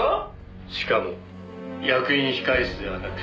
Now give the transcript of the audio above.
「しかも役員控室ではなく」